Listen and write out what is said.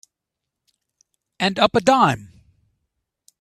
And up a dime.